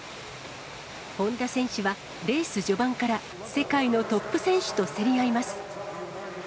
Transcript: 本多選手は、レース序盤から世界のトップ選手と競り合います。